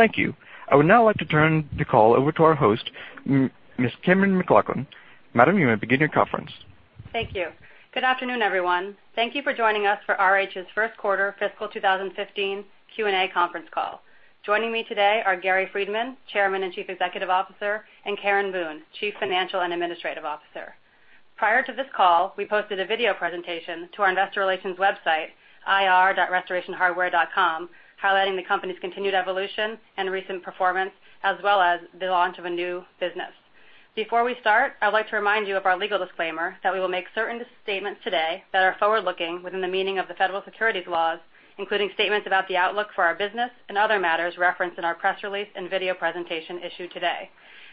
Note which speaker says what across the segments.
Speaker 1: Thank you. I would now like to turn the call over to our host, Ms. Cammeron McLaughlin. Madam, you may begin your conference.
Speaker 2: Thank you. Good afternoon, everyone. Thank you for joining us for RH's first quarter fiscal 2015 Q&A conference call. Joining me today are Gary Friedman, Chairman and Chief Executive Officer, and Karen Boone, Chief Financial and Administrative Officer. Prior to this call, we posted a video presentation to our investor relations website, ir.restorationhardware.com, highlighting the company's continued evolution and recent performance, as well as the launch of a new business. Before we start, I'd like to remind you of our legal disclaimer that we will make certain statements today that are forward-looking within the meaning of the federal securities laws, including statements about the outlook for our business and other matters referenced in our press release and video presentation issued today.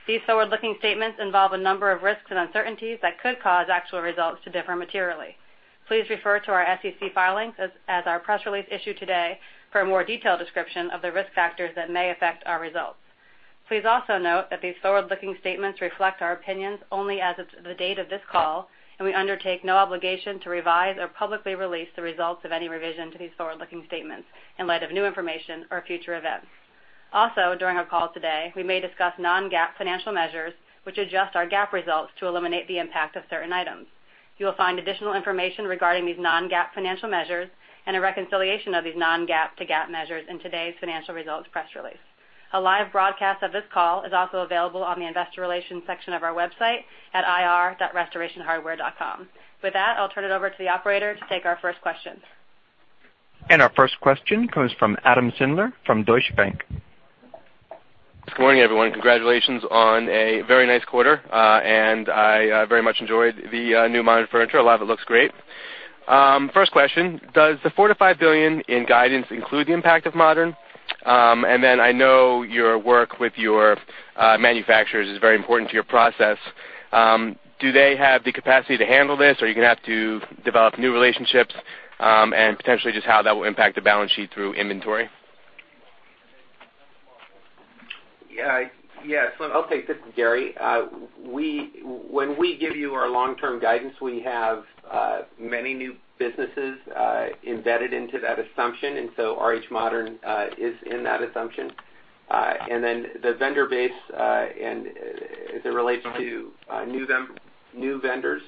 Speaker 2: These forward-looking statements involve a number of risks and uncertainties that could cause actual results to differ materially. Please refer to our SEC filings as our press release issued today for a more detailed description of the risk factors that may affect our results. Please also note that these forward-looking statements reflect our opinions only as of the date of this call, and we undertake no obligation to revise or publicly release the results of any revision to these forward-looking statements in light of new information or future events. Also, during our call today, we may discuss non-GAAP financial measures, which adjust our GAAP results to eliminate the impact of certain items. You will find additional information regarding these non-GAAP financial measures and a reconciliation of these non-GAAP to GAAP measures in today's financial results press release. A live broadcast of this call is also available on the investor relations section of our website at ir.restorationhardware.com. With that, I'll turn it over to the operator to take our first questions.
Speaker 1: Our first question comes from Adam Sindler from Deutsche Bank.
Speaker 3: Good morning, everyone. Congratulations on a very nice quarter. I very much enjoyed the new Modern furniture. A lot of it looks great. First question, does the $4 billion-$5 billion in guidance include the impact of Modern? I know your work with your manufacturers is very important to your process. Do they have the capacity to handle this, or are you going to have to develop new relationships? Potentially, just how that will impact the balance sheet through inventory.
Speaker 4: I'll take this. It's Gary. When we give you our long-term guidance, we have many new businesses embedded into that assumption. RH Modern is in that assumption. The vendor base, as it relates to new vendors,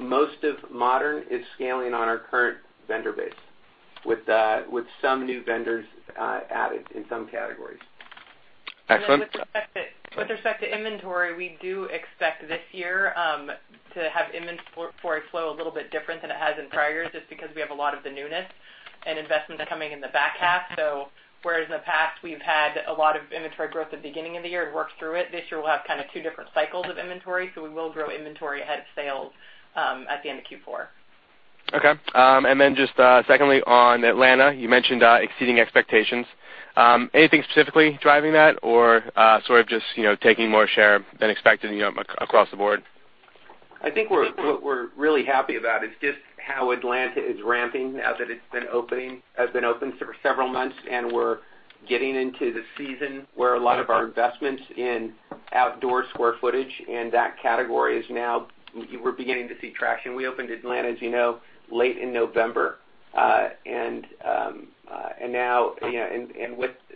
Speaker 4: most of Modern is scaling on our current vendor base with some new vendors added in some categories.
Speaker 3: Excellent.
Speaker 5: With respect to inventory, we do expect this year to have inventory flow a little bit different than it has in prior years, just because we have a lot of the newness and investment coming in the back half. Whereas in the past we've had a lot of inventory growth at the beginning of the year and worked through it, this year we'll have two different cycles of inventory. We will grow inventory ahead of sales at the end of Q4.
Speaker 3: Secondly on Atlanta, you mentioned exceeding expectations. Anything specifically driving that or sort of just taking more share than expected across the board?
Speaker 4: I think what we're really happy about is just how Atlanta is ramping as it's been open for several months, and we're getting into the season where a lot of our investments in outdoor square footage and that category is now we're beginning to see traction. We opened Atlanta, as you know, late in November.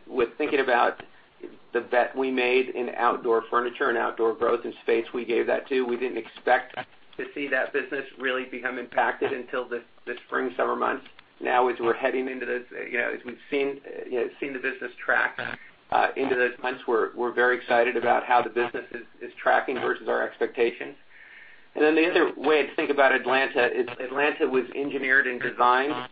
Speaker 4: With thinking about the bet we made in outdoor furniture and outdoor growth and space we gave that to, we didn't expect to see that business really become impacted until the spring, summer months. As we're heading into this, as we've seen the business track into those months, we're very excited about how the business is tracking versus our expectations. Then the other way to think about Atlanta is Atlanta was engineered and designed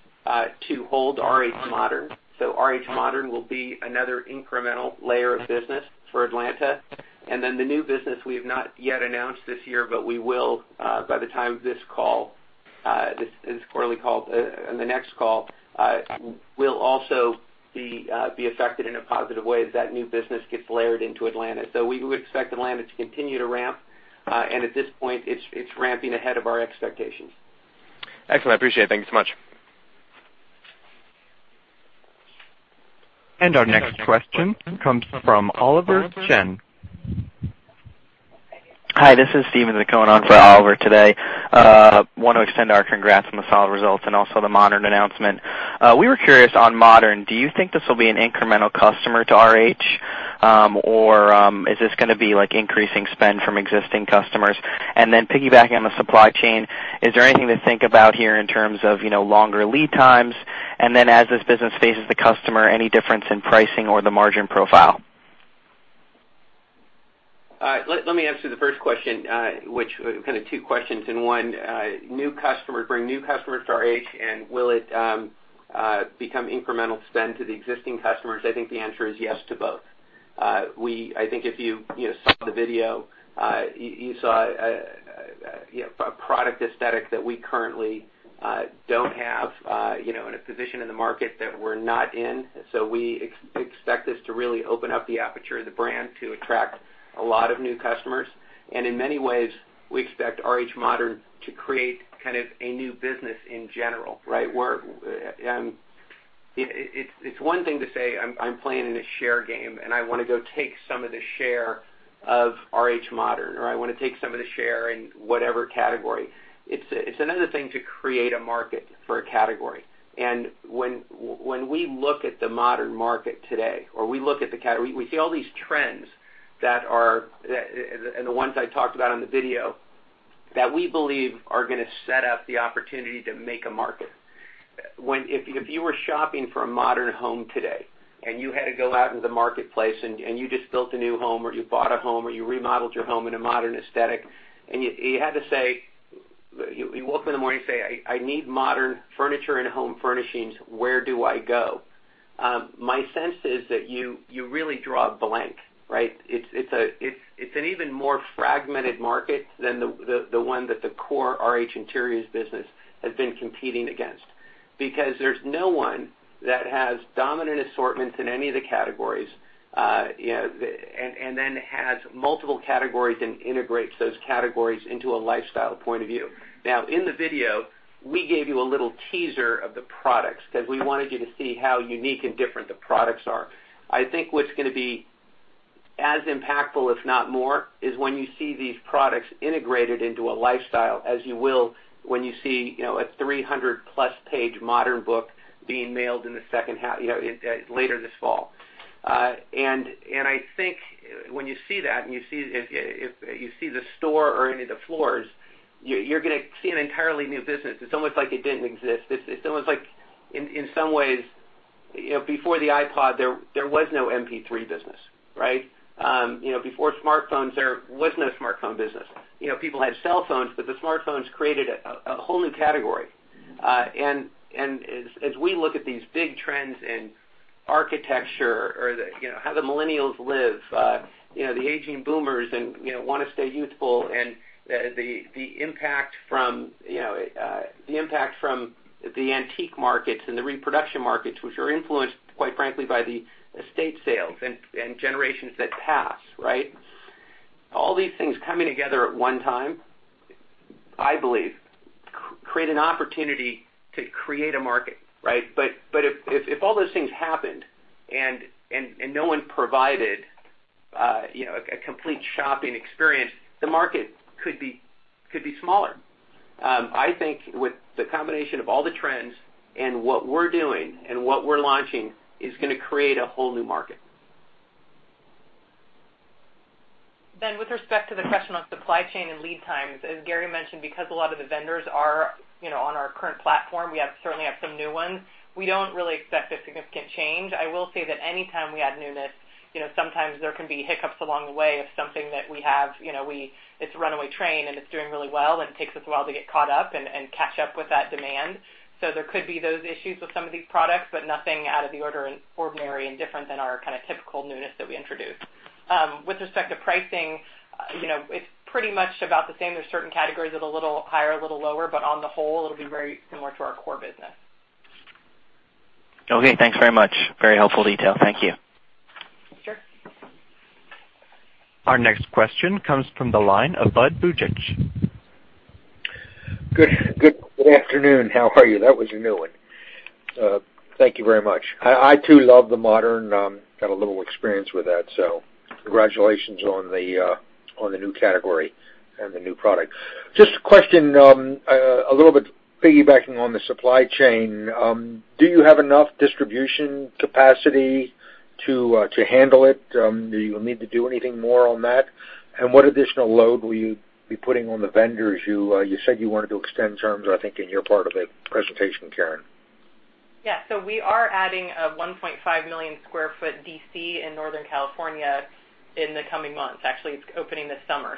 Speaker 4: to hold RH Modern. RH Modern will be another incremental layer of business for Atlanta. Then the new business we have not yet announced this year, but we will by the time of this call, this quarterly call, and the next call will also be affected in a positive way as that new business gets layered into Atlanta. We would expect Atlanta to continue to ramp. At this point, it's ramping ahead of our expectations.
Speaker 3: Excellent. I appreciate it. Thank you so much.
Speaker 1: Our next question comes from Oliver Chen.
Speaker 6: Hi, this is Steven Zaccone for Oliver today. I want to extend our congrats on the solid results and also the Modern announcement. We were curious on Modern, do you think this will be an incremental customer to RH? Or is this going to be increasing spend from existing customers? Then piggybacking on the supply chain, is there anything to think about here in terms of longer lead times? Then as this business faces the customer, any difference in pricing or the margin profile?
Speaker 4: Let me answer the first question, which were kind of two questions in one. New customers, bring new customers to RH, and will it become incremental spend to the existing customers? I think the answer is yes to both. I think if you saw the video, you saw a product aesthetic that we currently don't have in a position in the market that we're not in. We expect this to really open up the aperture of the brand to attract a lot of new customers. In many ways, we expect RH Modern to create kind of a new business in general, right? It's one thing to say, "I'm playing in a share game, and I want to go take some of the share of RH Modern, or I want to take some of the share in whatever category. It's another thing to create a market for a category. When we look at the modern market today, or we look at the category, we see all these trends, and the ones I talked about on the video, that we believe are going to set up the opportunity to make a market. If you were shopping for a modern home today and you had to go out into the marketplace, and you just built a new home, or you bought a home, or you remodeled your home in a modern aesthetic, and you woke up in the morning and say, "I need modern furniture and home furnishings. Where do I go?" My sense is that you really draw a blank, right? It's an even more fragmented market than the one that the core RH Interiors business has been competing against, because there's no one that has dominant assortments in any of the categories, and then has multiple categories and integrates those categories into a lifestyle point of view. In the video, we gave you a little teaser of the products because we wanted you to see how unique and different the products are. I think what's going to be as impactful, if not more, is when you see these products integrated into a lifestyle as you will when you see a 300+ page modern book being mailed later this fall. I think when you see that, and you see the store or any of the floors, you're going to see an entirely new business. It's almost like it didn't exist. It's almost like, in some ways, before the iPod, there was no MP3 business, right? Before smartphones, there was no smartphone business. People had cell phones, but the smartphones created a whole new category. As we look at these big trends in architecture or how the millennials live, the aging boomers want to stay youthful, and the impact from the antique markets and the reproduction markets, which are influenced, quite frankly, by the estate sales and generations that pass, right? All these things coming together at one time, I believe, create an opportunity to create a market, right? If all those things happened and no one provided a complete shopping experience, the market could be smaller. I think with the combination of all the trends and what we're doing and what we're launching is going to create a whole new market.
Speaker 5: With respect to the question on supply chain and lead times, as Gary mentioned, because a lot of the vendors are on our current platform, we certainly have some new ones. We don't really expect a significant change. I will say that anytime we add newness, sometimes there can be hiccups along the way of something that we have. It's a runaway train, and it's doing really well, and it takes us a while to get caught up and catch up with that demand. There could be those issues with some of these products, but nothing out of the ordinary and different than our kind of typical newness that we introduce. With respect to pricing, it's pretty much about the same. There's certain categories that are a little higher, a little lower, but on the whole, it'll be very similar to our core business.
Speaker 6: Okay, thanks very much. Very helpful detail. Thank you.
Speaker 5: Sure.
Speaker 1: Our next question comes from the line of Budd Bugatch.
Speaker 7: Good afternoon. How are you? That was a new one. Thank you very much. I, too, love the Modern. Got a little experience with that. Congratulations on the new category and the new product. Just a question, a little bit piggybacking on the supply chain. Do you have enough distribution capacity to handle it? Do you need to do anything more on that? What additional load will you be putting on the vendors? You said you wanted to extend terms, I think, in your part of the presentation, Karen.
Speaker 5: Yeah. We are adding a 1.5 million sq ft DC in Northern California in the coming months. Actually, it's opening this summer.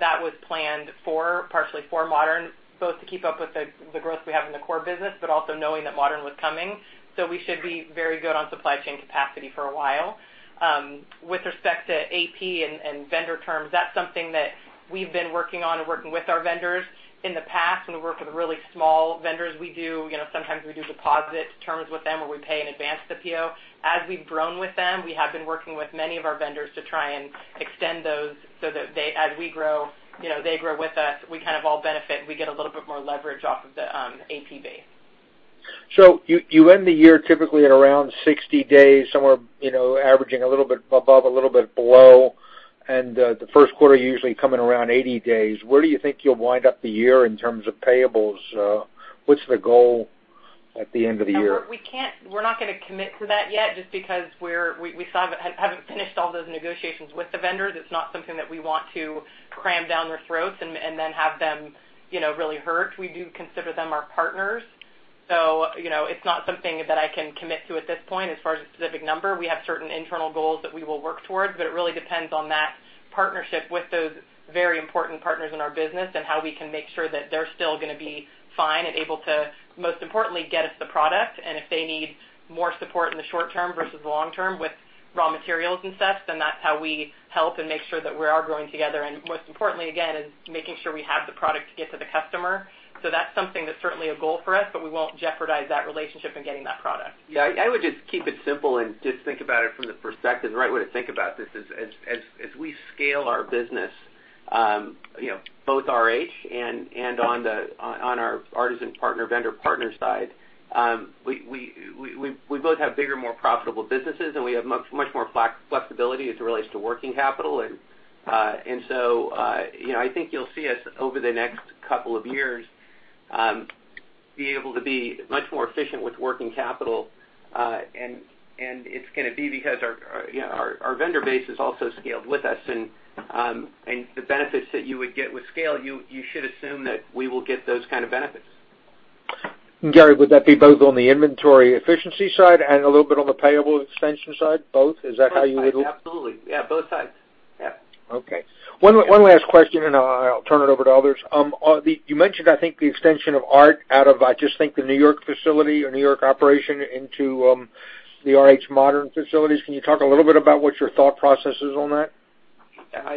Speaker 5: That was planned partially for Modern, both to keep up with the growth we have in the core business, but also knowing that Modern was coming. We should be very good on supply chain capacity for a while. With respect to AP and vendor terms, that's something that we've been working on and working with our vendors. In the past, when we work with really small vendors, sometimes we do deposit terms with them where we pay in advance the PO. As we've grown with them, we have been working with many of our vendors to try and extend those so that as we grow, they grow with us. We kind of all benefit. We get a little bit more leverage off of the AP base.
Speaker 7: You end the year typically at around 60 days, somewhere averaging a little bit above, a little bit below, and the first quarter usually coming around 80 days. Where do you think you'll wind up the year in terms of payables? What's the goal at the end of the year?
Speaker 5: We're not going to commit to that yet, just because we haven't finished all those negotiations with the vendors. It's not something that we want to cram down their throats and then have them really hurt. We do consider them our partners. It's not something that I can commit to at this point as far as a specific number. We have certain internal goals that we will work towards, but it really depends on that partnership with those very important partners in our business and how we can make sure that they're still going to be fine and able to, most importantly, get us the product. If they need more support in the short term versus the long term with raw materials and such, then that's how we help and make sure that we are growing together. Most importantly, again, is making sure we have the product to get to the customer. That's something that's certainly a goal for us, but we won't jeopardize that relationship in getting that product.
Speaker 4: Yeah, I would just keep it simple and just think about it from the perspective, the right way to think about this is as we scale our business Both RH and on our Artisan partner vendor partner side, we both have bigger, more profitable businesses, and we have much more flexibility as it relates to working capital. I think you'll see us over the next couple of years, be able to be much more efficient with working capital, and it's going to be because our vendor base is also scaled with us and the benefits that you would get with scale, you should assume that we will get those kind of benefits.
Speaker 7: Gary, would that be both on the inventory efficiency side and a little bit on the payable extension side? Both?
Speaker 4: Both sides. Absolutely. Yeah, both sides. Yeah.
Speaker 7: Okay. One last question, and I'll turn it over to others. You mentioned, I think, the extension of art out of, I think, the N.Y. facility or N.Y. operation into the RH Modern facilities. Can you talk a little bit about what your thought process is on that?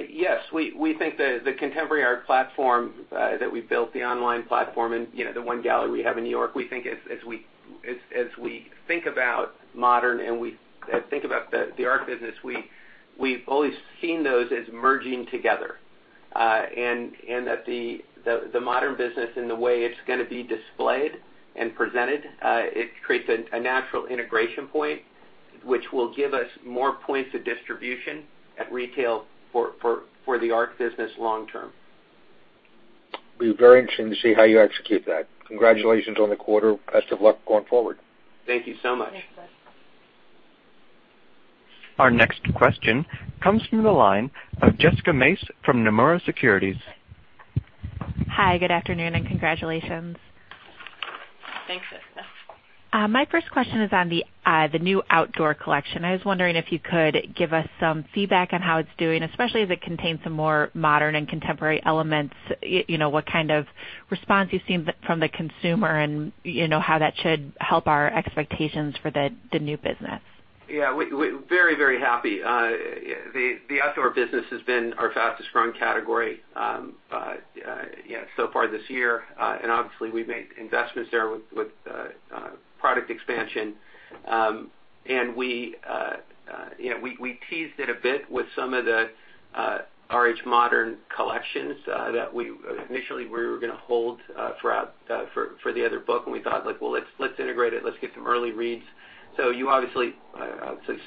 Speaker 4: Yes. We think the contemporary art platform that we built, the online platform and the one gallery we have in N.Y., as we think about modern and we think about the art business, we've always seen those as merging together. That the Modern business in the way it's going to be displayed and presented, it creates a natural integration point, which will give us more points of distribution at retail for the art business long term.
Speaker 7: It'll be very interesting to see how you execute that. Congratulations on the quarter. Best of luck going forward.
Speaker 4: Thank you so much.
Speaker 8: Thanks, guys.
Speaker 1: Our next question comes from the line of Jessica Mace from Nomura Securities.
Speaker 9: Hi, good afternoon, and congratulations.
Speaker 4: Thanks.
Speaker 9: My first question is on the new outdoor collection. I was wondering if you could give us some feedback on how it's doing, especially as it contains some more modern and contemporary elements, what kind of response you've seen from the consumer and how that should help our expectations for the new business.
Speaker 4: We're very, very happy. The outdoor business has been our fastest growing category so far this year. Obviously, we've made investments there with product expansion. We teased it a bit with some of the RH Modern collections, that initially we were going to hold for the other book, and we thought, "Well, let's integrate it. Let's get some early reads." You obviously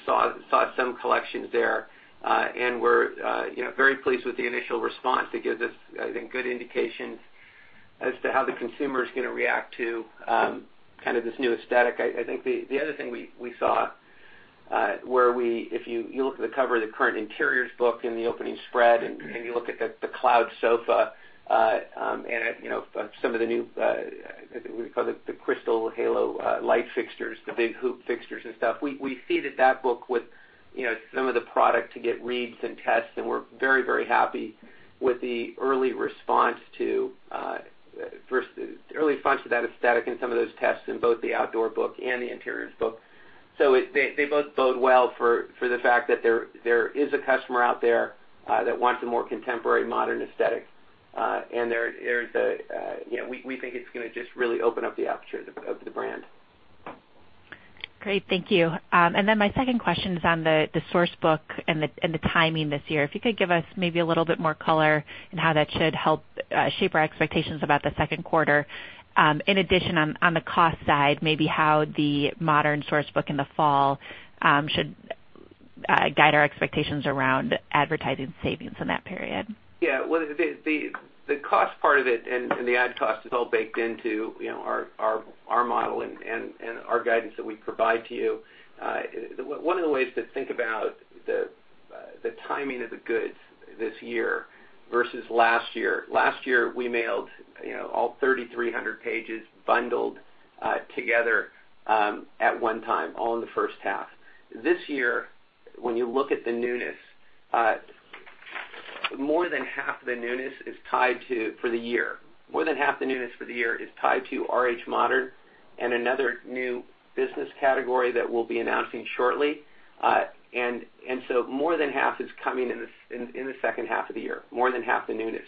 Speaker 4: saw some collections there, and we're very pleased with the initial response. It gives us, I think, good indications as to how the consumer's going to react to this new aesthetic. I think the other thing we saw, if you look at the cover of the current interiors book and the opening spread, and you look at the Cloud Sofa, and some of the new, I think we call it the Crystal Halo, light fixtures, the big hoop fixtures and stuff. We seeded that book with some of the product to get reads and tests, we're very, very happy with the early response to that aesthetic and some of those tests in both the outdoor book and the interiors book. They both bode well for the fact that there is a customer out there that wants a more contemporary, modern aesthetic. We think it's going to just really open up the aperture of the brand.
Speaker 9: Great. Thank you. My second question is on the Source Book and the timing this year. If you could give us maybe a little bit more color on how that should help shape our expectations about the second quarter. In addition, on the cost side, maybe how the RH Modern Source Book in the fall should guide our expectations around advertising savings in that period.
Speaker 4: The cost part of it and the ad cost is all baked into our model and our guidance that we provide to you. One of the ways to think about the timing of the goods this year versus last year, last year, we mailed all 3,300 pages bundled together at one time, all in the first half. This year, when you look at the newness, more than half the newness for the year is tied to RH Modern and another new business category that we'll be announcing shortly. More than half is coming in the second half of the year, more than half the newness.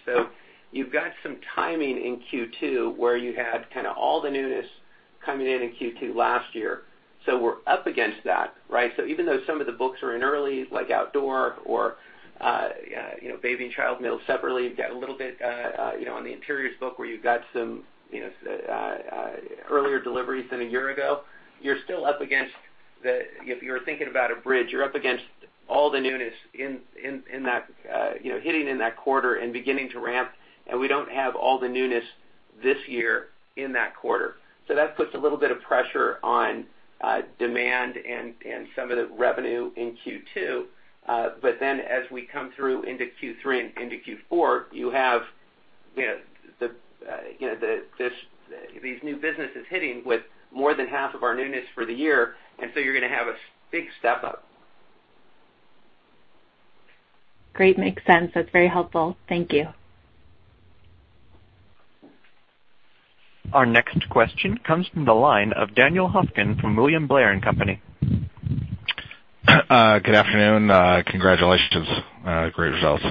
Speaker 4: You've got some timing in Q2 where you had all the newness coming in in Q2 last year. We're up against that, right? Even though some of the books are in early, like outdoor or RH Baby & Child mailed separately, you've got a little bit on the RH Interiors book where you've got some earlier deliveries than a year ago. If you're thinking about a bridge, you're up against all the newness hitting in that quarter and beginning to ramp, and we don't have all the newness this year in that quarter. As we come through into Q3 and into Q4, you have these new businesses hitting with more than half of our newness for the year, and so you're going to have a big step-up.
Speaker 9: Great. Makes sense. That's very helpful. Thank you.
Speaker 1: Our next question comes from the line of Daniel Hofkin from William Blair & Co.
Speaker 10: Good afternoon. Congratulations. Great results.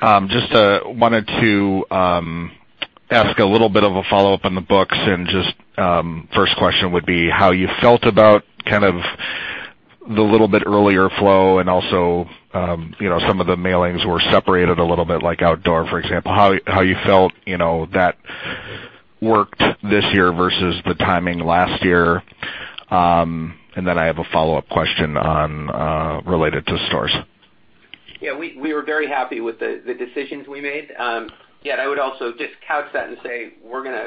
Speaker 10: Just wanted to ask a little bit of a follow-up on the books, and just first question would be how you felt about the little bit earlier flow and also some of the mailings were separated a little bit like outdoor, for example, how you felt that worked this year versus the timing last year. Then I have a follow-up question related to stores.
Speaker 4: Yeah. We were very happy with the decisions we made. Yeah, I would also just couch that and say we're going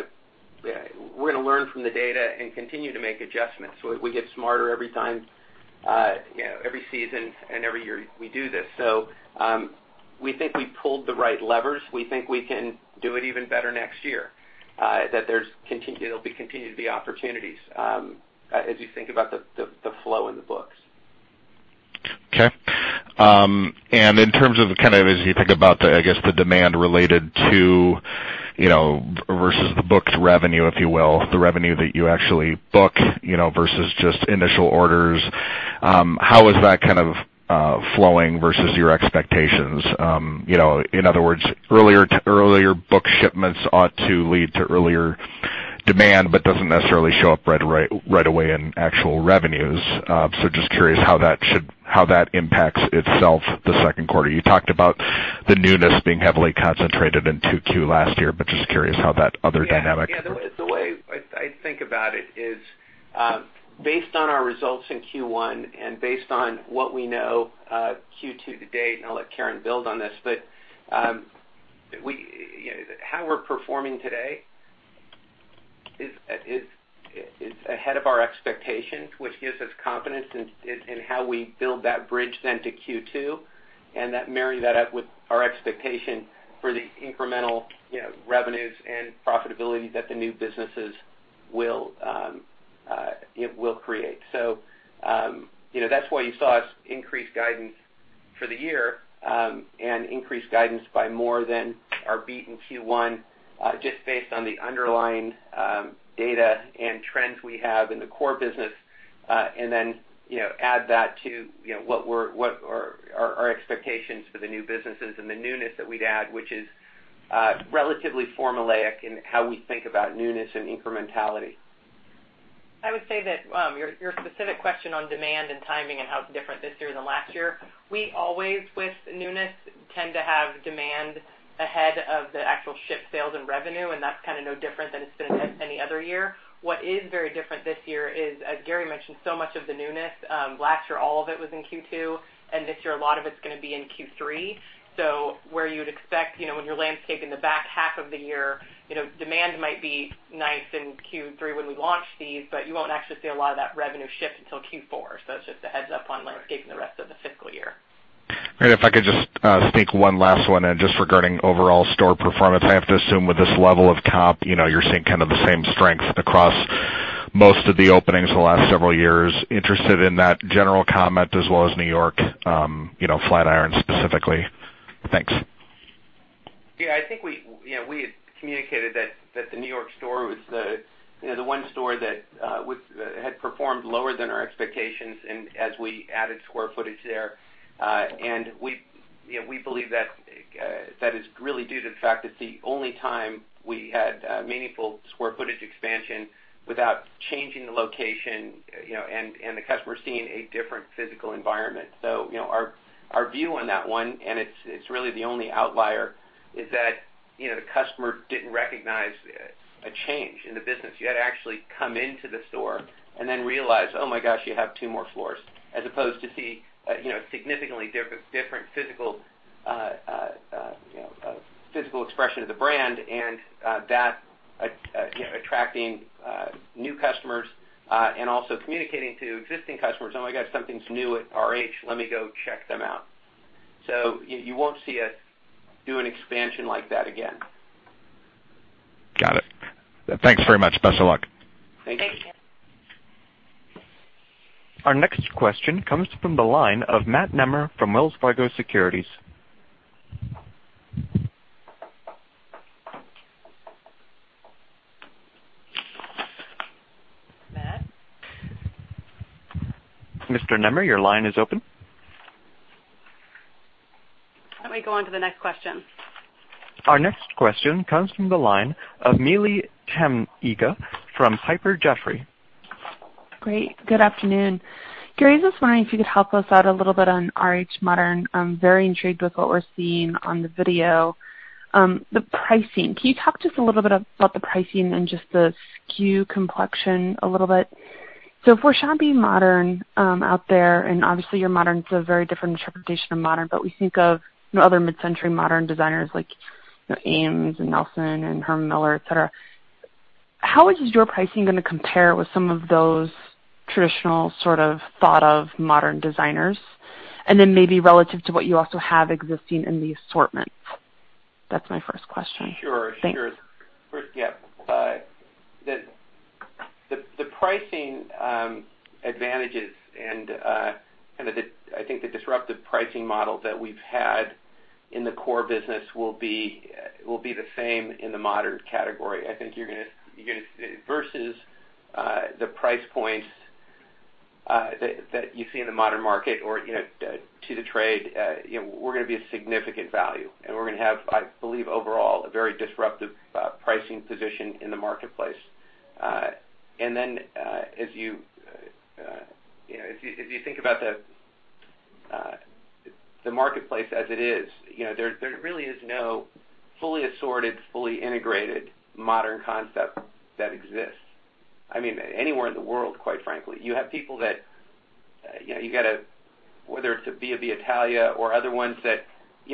Speaker 4: to learn from the data and continue to make adjustments. We get smarter every time, every season and every year we do this. We think we pulled the right levers. We think we can do it even better next year, that there's continue to be opportunities, as you think about the flow in the books.
Speaker 10: Okay. In terms of, as you think about the, I guess, the demand related to versus the books revenue, if you will, the revenue that you actually book versus just initial orders, how is that kind of flowing versus your expectations? In other words, earlier book shipments ought to lead to earlier demand, but doesn't necessarily show up right away in actual revenues. Just curious how that impacts itself the second quarter. You talked about the newness being heavily concentrated in Q2 last year, but just curious how that other dynamic.
Speaker 4: Yeah. The way I think about it is, based on our results in Q1 and based on what we know, Q2 to date, and I'll let Karen build on this, but how we're performing today is ahead of our expectations, which gives us confidence in how we build that bridge then to Q2, and marry that up with our expectation for the incremental revenues and profitability that the new businesses will create. That's why you saw us increase guidance for the year, and increase guidance by more than our beat in Q1, just based on the underlying data and trends we have in the core business. Add that to our expectations for the new businesses and the newness that we'd add, which is relatively formulaic in how we think about newness and incrementality.
Speaker 5: I would say that your specific question on demand and timing and how it's different this year than last year, we always, with newness, tend to have demand ahead of the actual shipped sales and revenue, and that's kind of no different than it's been any other year. What is very different this year is, as Gary mentioned, so much of the newness. Last year, all of it was in Q2, and this year a lot of it's going to be in Q3. Where you'd expect when you're landscaping the back half of the year, demand might be nice in Q3 when we launch these, but you won't actually see a lot of that revenue shift until Q4. That's just a heads-up on landscaping the rest of the fiscal year.
Speaker 10: Great. If I could just sneak one last one in, just regarding overall store performance. I have to assume with this level of comp, you're seeing kind of the same strength across most of the openings the last several years. Interested in that general comment as well as New York, Flatiron specifically. Thanks.
Speaker 4: Yeah, I think we had communicated that the New York store was the one store that had performed lower than our expectations and as we added square footage there. We believe that is really due to the fact it's the only time we had meaningful square footage expansion without changing the location, and the customer seeing a different physical environment. Our view on that one, and it's really the only outlier, is that the customer didn't recognize a change in the business. You had to actually come into the store and then realize, oh my gosh, you have two more floors, as opposed to seeing a significantly different physical expression of the brand and that attracting new customers, and also communicating to existing customers, "Oh, I got some things new at RH, let me go check them out." You won't see us do an expansion like that again.
Speaker 10: Got it. Thanks very much. Best of luck.
Speaker 4: Thank you.
Speaker 5: Thank you.
Speaker 1: Our next question comes from the line of Matt Nemer from Wells Fargo Securities.
Speaker 4: Matt?
Speaker 1: Mr. Nemer, your line is open.
Speaker 5: Why don't we go on to the next question?
Speaker 1: Our next question comes from the line of Neely Tamminga from Piper Jaffray.
Speaker 11: Great. Good afternoon. Gary, I was wondering if you could help us out a little bit on RH Modern. I'm very intrigued with what we're seeing on the video. The pricing. Can you talk to us a little bit about the pricing and just the SKU complexion a little bit? If we're shopping modern out there, and obviously your modern is a very different interpretation of modern, but we think of other mid-century modern designers like Eames and Nelson and Herman Miller, etc. How is your pricing going to compare with some of those traditional sort of thought of modern designers? And then maybe relative to what you also have existing in the assortment. That's my first question.
Speaker 4: Sure.
Speaker 11: Thanks.
Speaker 4: First, yeah. The pricing advantages and kind of I think the disruptive pricing model that we've had in the core business will be the same in the modern category. Versus the price points that you see in the modern market or to the trade, we're going to be a significant value, and we're going to have, I believe, overall, a very disruptive pricing position in the marketplace. As you think about the marketplace as it is, there really is no fully assorted, fully integrated modern concept that exists. I mean, anywhere in the world, quite frankly. You have people that, whether it's a B&B Italia or other ones that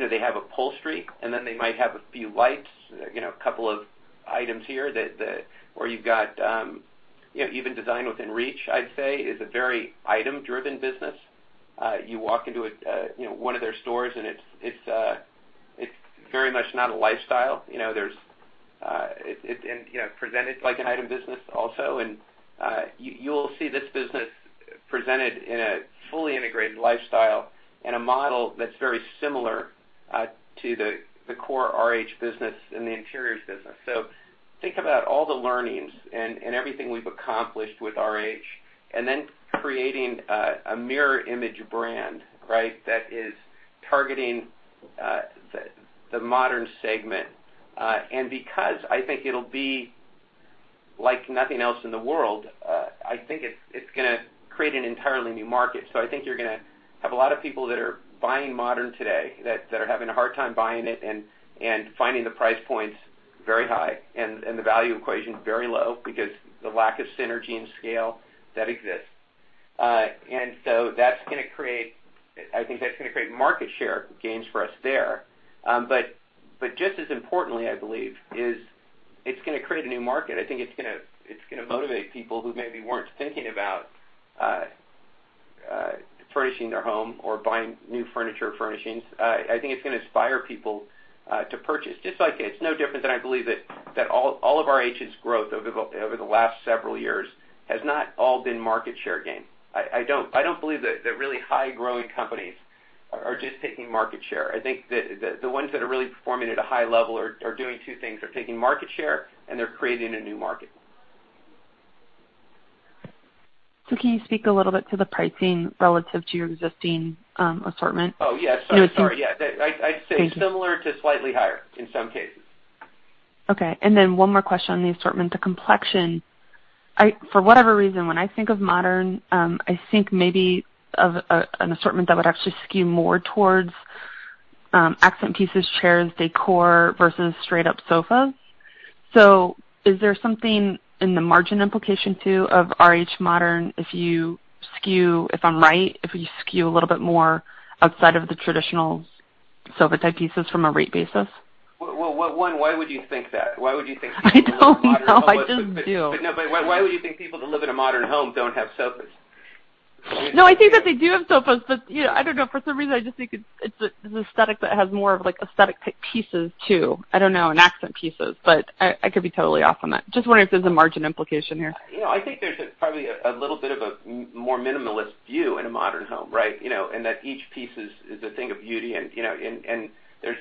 Speaker 4: have upholstery and then they might have a few lights, a couple of items here, or you've got even Design Within Reach, I'd say, is a very item-driven business. You walk into one of their stores and it's very much not a lifestyle. It's presented like an item business also. You'll see this business presented in a fully integrated lifestyle and a model that's very similar to the core RH business and the interiors business. Think about all the learnings and everything we've accomplished with RH and then creating a mirror image brand that is targeting the modern segment. Because I think it'll be like nothing else in the world, I think it's going to create an entirely new market. I think you're going to have a lot of people that are buying modern today that are having a hard time buying it and finding the price points very high and the value equation very low because the lack of synergy and scale that exists. I think that's going to create market share gains for us there. Just as importantly, I believe, is it's going to create a new market. I think it's going to motivate people who maybe weren't thinking about furnishing their home or buying new furniture furnishings. I think it's going to inspire people to purchase. It's no different than I believe that all of RH's growth over the last several years has not all been market share gain. I don't believe that really high-growing companies are just taking market share. I think the ones that are really performing at a high level are doing two things. They're taking market share, and they're creating a new market.
Speaker 11: Can you speak a little bit to the pricing relative to your existing assortment?
Speaker 4: Oh, yes. Sorry.
Speaker 11: Thank you.
Speaker 4: I'd say similar to slightly higher in some cases.
Speaker 11: Okay. One more question on the assortment. The complexion. For whatever reason, when I think of modern, I think maybe of an assortment that would actually skew more towards accent pieces, chairs, decor versus straight-up sofas. Is there something in the margin implication too of RH Modern if you skew, if I'm right, if you skew a little bit more outside of the traditional sofa-type pieces from a rate basis?
Speaker 4: Well, one, why would you think that?
Speaker 11: I don't know. I just do.
Speaker 4: No, but why would you think people that live in a modern home don't have sofas?
Speaker 11: I think that they do have sofas. I don't know. For some reason, I just think it's an aesthetic that has more of aesthetic-type pieces too. I don't know. Accent pieces, but I could be totally off on that. Just wondering if there's a margin implication here.
Speaker 4: I think there's probably a little bit of a more minimalist view in a modern home, right? That each piece is a thing of beauty, and there's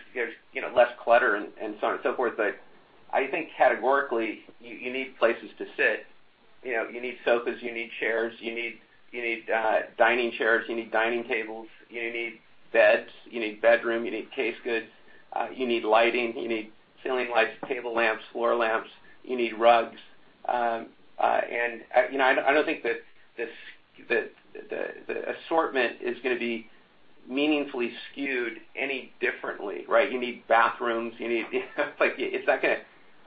Speaker 4: less clutter and so on and so forth. I think categorically, you need places to sit. You need sofas, you need chairs, you need dining chairs, you need dining tables, you need beds, you need bedroom, you need case goods, you need lighting, you need ceiling lights, table lamps, floor lamps, you need rugs. I don't think that the assortment is going to be meaningfully skewed any differently, right? You need bathrooms. Whether you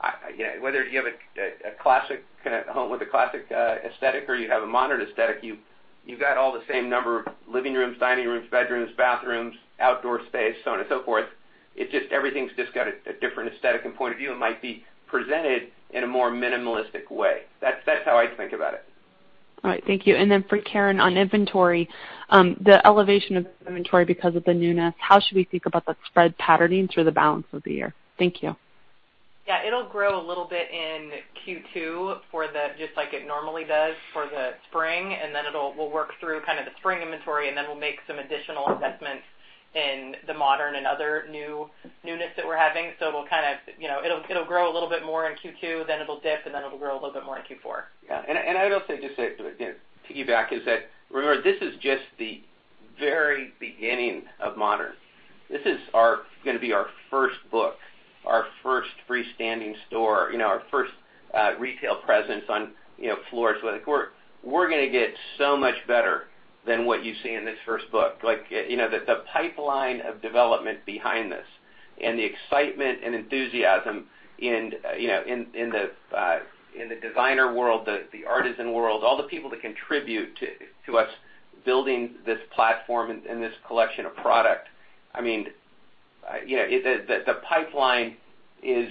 Speaker 4: have a classic home with a classic aesthetic or you have a modern aesthetic, you've got all the same number of living rooms, dining rooms, bedrooms, bathrooms, outdoor space, so on and so forth. It's just everything's just got a different aesthetic and point of view and might be presented in a more minimalistic way. That's how I think about it.
Speaker 11: All right. Thank you. For Karen on inventory, the elevation of inventory because of the newness, how should we think about the spread patterning through the balance of the year? Thank you.
Speaker 5: It'll grow a little bit in Q2 just like it normally does for the spring, then we'll work through kind of the spring inventory, then we'll make some additional assessments in the Modern and other newness that we're having. It'll grow a little bit more in Q2, then it'll dip, then it'll grow a little bit more in Q4.
Speaker 4: I would also just say to piggyback is that remember, this is just the very beginning of Modern. This is going to be our first book, our first freestanding store, our first retail presence on floors. We're going to get so much better than what you see in this first book. The pipeline of development behind this and the excitement and enthusiasm in the designer world, the artisan world, all the people that contribute to us building this platform and this collection of product. I mean, the pipeline is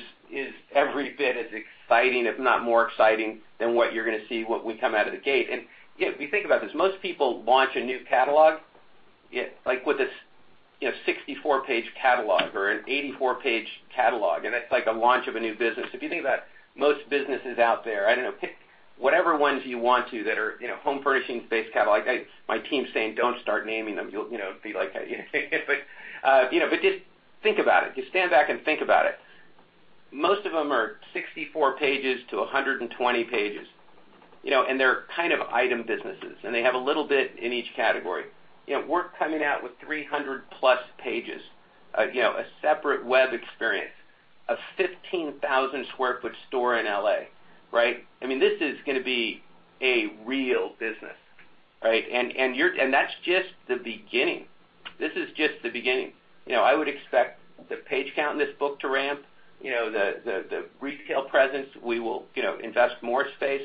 Speaker 4: every bit as exciting, if not more exciting than what you're going to see when we come out of the gate. If you think about this, most people launch a new catalog, like with a 64-page catalog or an 84-page catalog, and it's like a launch of a new business. If you think about most businesses out there, I don't know, pick whatever ones you want to that are home furnishings-based catalog. My team's saying, "Don't start naming them." Just think about it. Just stand back and think about it. Most of them are 64 pages to 120 pages. They're item businesses, and they have a little bit in each category. We're coming out with 300+ pages, a separate web experience, a 15,000 sq ft store in L.A., right? This is going to be a real business. That's just the beginning. This is just the beginning. I would expect the page count in this book to ramp. The retail presence, we will invest more space,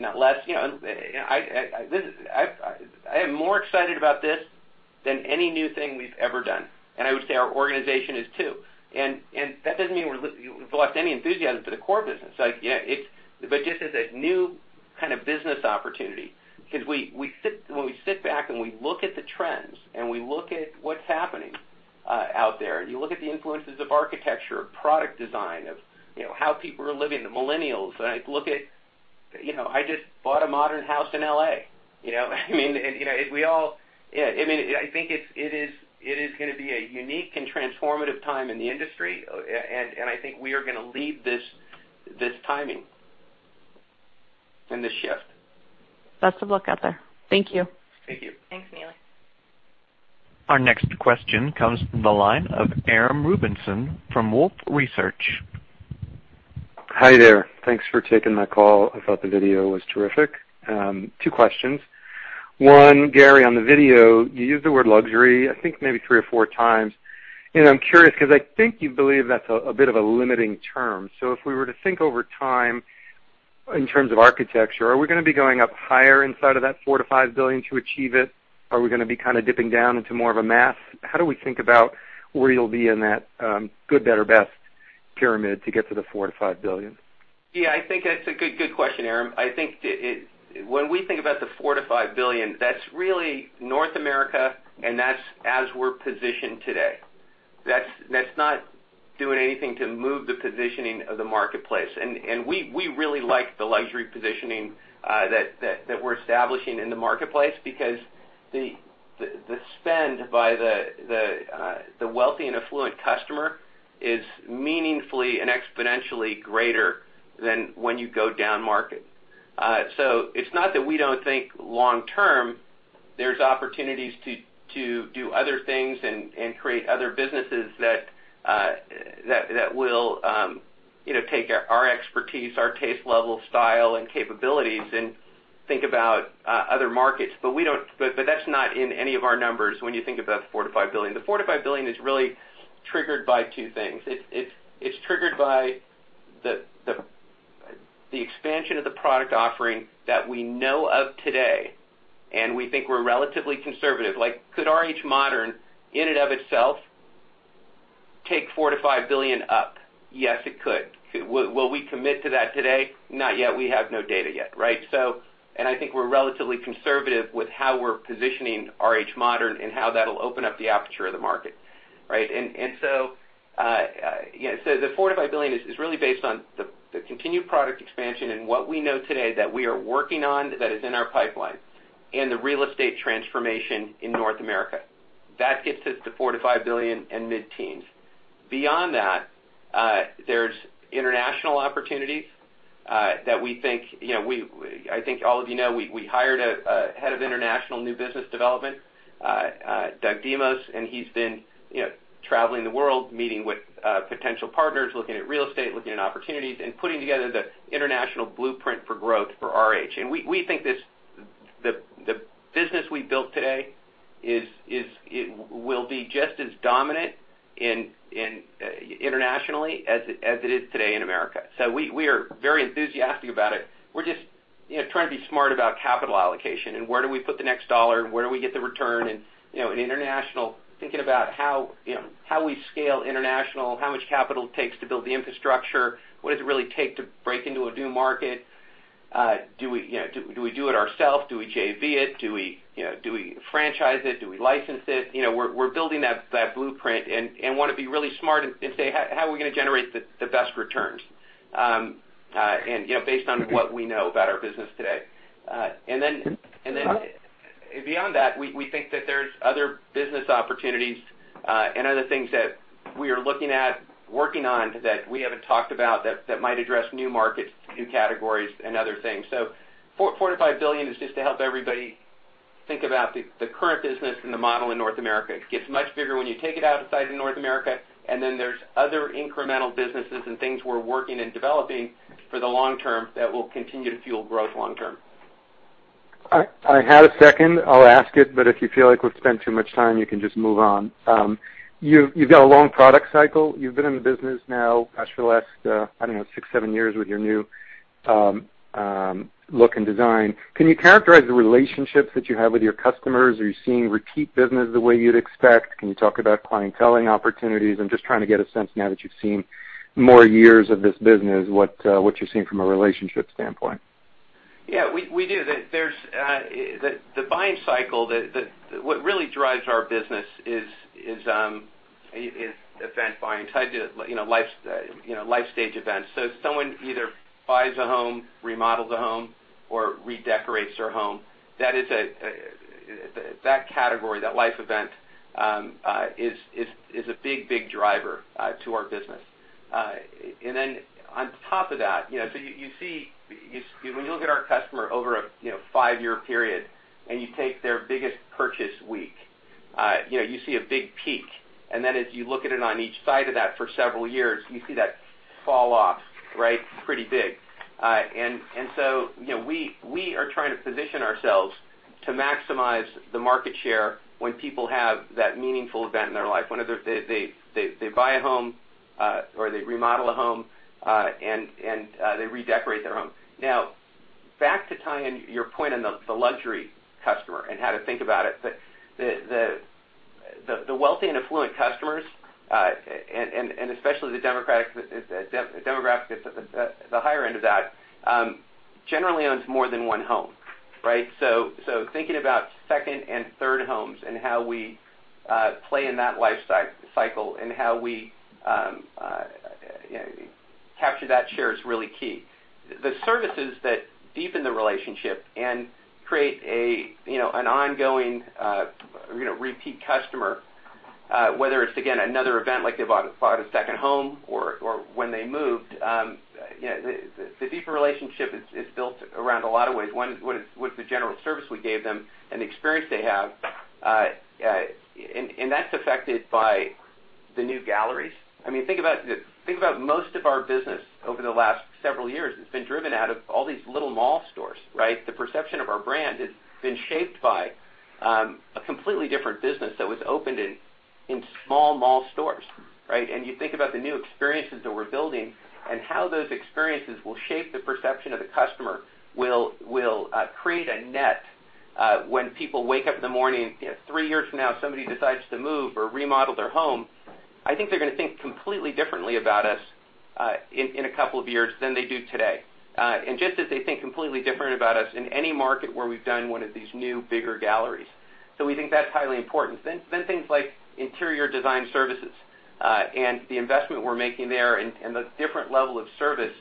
Speaker 4: not less. I am more excited about this than any new thing we've ever done, and I would say our organization is, too. That doesn't mean we've lost any enthusiasm for the core business. Just as a new kind of business opportunity, because when we sit back and we look at the trends, and we look at what's happening out there, and you look at the influences of architecture, of product design, of how people are living, the millennials. I just bought a modern house in L.A. I think it is going to be a unique and transformative time in the industry, and I think we are going to lead this timing and the shift.
Speaker 11: Best of luck out there. Thank you.
Speaker 4: Thank you.
Speaker 8: Thanks, Neely.
Speaker 1: Our next question comes from the line of Aram Rubinson from Wolfe Research.
Speaker 12: Hi there. Thanks for taking my call. I thought the video was terrific. Two questions. One, Gary, on the video, you used the word luxury, I think, maybe three or four times. I'm curious because I think you believe that's a bit of a limiting term. If we were to think over time in terms of architecture, are we going to be going up higher inside of that $4 billion-$5 billion to achieve it? Are we going to be kind of dipping down into more of a mass? How do we think about where you'll be in that good, better, best pyramid to get to the $4 billion-$5 billion?
Speaker 4: I think that's a good question, Aram. I think when we think about the $4 billion-$5 billion, that's really North America and that's as we're positioned today. That's not doing anything to move the positioning of the marketplace. We really like the luxury positioning that we're establishing in the marketplace because the spend by the wealthy and affluent customer is meaningfully and exponentially greater than when you go down-market. It's not that we don't think long-term there's opportunities to do other things and create other businesses that will take our expertise, our taste level, style, and capabilities and think about other markets. But that's not in any of our numbers when you think about the $4 billion-$5 billion. The $4 billion-$5 billion is really triggered by two things. It's triggered by the expansion of the product offering that we know of today, and we think we're relatively conservative. Could RH Modern, in and of itself, take $4 billion-$5 billion up? Yes, it could. Will we commit to that today? Not yet. We have no data yet, right? I think we're relatively conservative with how we're positioning RH Modern and how that'll open up the aperture of the market. The $4 billion-$5 billion is really based on the continued product expansion and what we know today that we are working on that is in our pipeline, and the real estate transformation in North America. That gets us to $4 billion-$5 billion and mid-teens. Beyond that, there's international opportunities. I think all of you know, we hired a head of international new business development, Doug Diemoz. He's been traveling the world meeting with potential partners, looking at real estate, looking at opportunities, and putting together the international blueprint for growth for RH. We think the business we built today will be just as dominant internationally as it is today in America. We are very enthusiastic about it. We're just trying to be smart about capital allocation and where do we put the next dollar and where do we get the return? International, thinking about how we scale international, how much capital it takes to build the infrastructure, what does it really take to break into a new market? Do we do it ourself? Do we JV it? Do we franchise it? Do we license it? We're building that blueprint and want to be really smart and say, "How are we going to generate the best returns based on what we know about our business today?" Beyond that, we think that there's other business opportunities and other things that we are looking at working on that we haven't talked about that might address new markets, new categories, and other things. $4 billion to $5 billion is just to help everybody think about the current business and the model in North America. It gets much bigger when you take it outside of North America. There's other incremental businesses and things we're working and developing for the long term that will continue to fuel growth long term.
Speaker 12: I had a second. I'll ask it, but if you feel like we've spent too much time, you can just move on. You've got a long product cycle. You've been in the business now, gosh, for the last, I don't know, six, seven years with your new look and design. Can you characterize the relationships that you have with your customers? Are you seeing repeat business the way you'd expect? Can you talk about clienteling opportunities? I'm just trying to get a sense now that you've seen more years of this business, what you're seeing from a relationship standpoint.
Speaker 4: Yeah, we do. The buying cycle, what really drives our business is event buying cycle, life stage events. Someone either buys a home, remodels a home, or redecorates their home. That category, that life event is a big driver to our business. On top of that, when you look at our customer over a five-year period and you take their biggest purchase week, you see a big peak. As you look at it on each side of that for several years, you see that fall off. Pretty big. We are trying to position ourselves to maximize the market share when people have that meaningful event in their life. When they buy a home, or they remodel a home, and they redecorate their home. Back to tying in your point on the luxury customer and how to think about it. The wealthy and affluent customers, and especially the demographic at the higher end of that, generally owns more than one home. Thinking about second and third homes and how we play in that life cycle and how we capture that share is really key. The services that deepen the relationship and create an ongoing repeat customer, whether it's, again, another event like they bought a second home or when they moved. The deeper relationship is built around a lot of ways. One is with the general service we gave them and the experience they have. That's affected by the new Design Galleries. Think about most of our business over the last several years has been driven out of all these little mall stores. The perception of our brand has been shaped by a completely different business that was opened in small mall stores. You think about the new experiences that we're building and how those experiences will shape the perception of the customer will create a net when people wake up in the morning, 3 years from now, somebody decides to move or remodel their home. I think they're going to think completely differently about us in a couple of years than they do today. Just as they think completely different about us in any market where we've done one of these new, bigger Design Galleries. We think that's highly important. Things like interior design services and the investment we're making there and the different level of service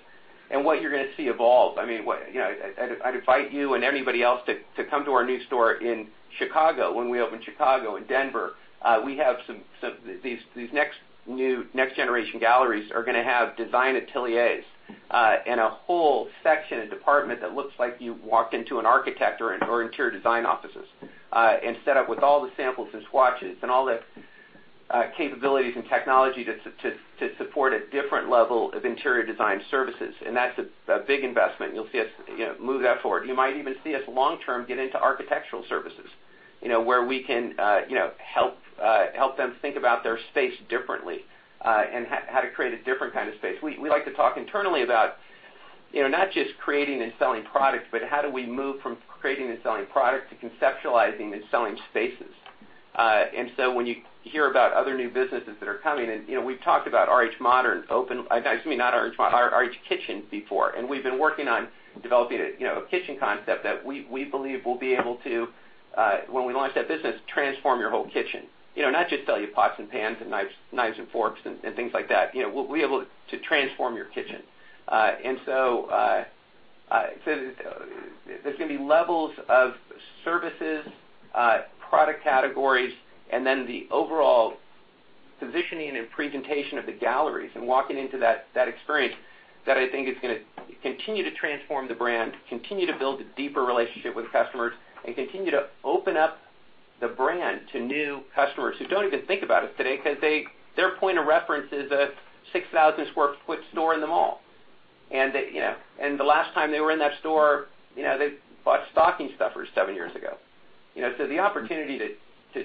Speaker 4: and what you're going to see evolve. I'd invite you and anybody else to come to our new Design Gallery in Chicago, when we open Chicago and Denver. These next new, next-generation Design Galleries are going to have design ateliers and a whole section, a department that looks like you walked into an architect or interior design offices, set up with all the samples and swatches and all the capabilities and technology to support a different level of interior design services. That's a big investment, and you'll see us move that forward. You might even see us long-term get into architectural services, where we can help them think about their space differently and how to create a different kind of space. We like to talk internally about not just creating and selling products, but how do we move from creating and selling product to conceptualizing and selling spaces. When you hear about other new businesses that are coming in, we've talked about RH Kitchens before, and we've been working on developing a kitchen concept that we believe will be able to, when we launch that business, transform your whole kitchen. Not just sell you pots and pans and knives and forks and things like that. We'll be able to transform your kitchen. There's going to be levels of services, product categories, and then the overall positioning and presentation of the Design Galleries and walking into that experience that I think is going to continue to transform the brand, continue to build a deeper relationship with customers, and continue to open up the brand to new customers who don't even think about us today because their point of reference is a 6,000 sq ft store in the mall. The last time they were in that store, they bought stocking stuffers 7 years ago. The opportunity to